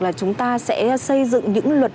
là chúng ta sẽ xây dựng những luật